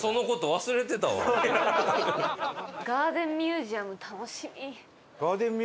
ガーデンミュージアム。